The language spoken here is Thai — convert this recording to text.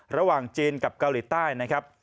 ระหว่างจีนกับเกาหลีใต้นะครับ